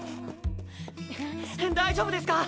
大丈夫ですか？